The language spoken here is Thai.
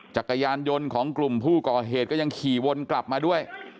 จักรยานยนต์ของกลุ่มผู้ก่อเหตุก็ยังขี่วนกลับมาด้วย